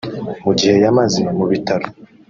Mu gihe yamaze mu bitaro